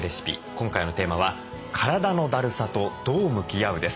今回のテーマは「体のだるさとどう向き合う？」です。